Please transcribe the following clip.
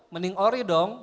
mending ori dong